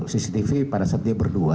cctv pada saat dia berdua